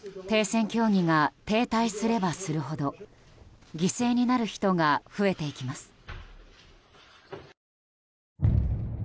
停戦協議が停滞すればするほど犠牲になる人が増えていきます。